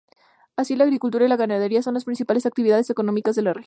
Así, la agricultura y la ganadería son las principales actividades económicas de la región.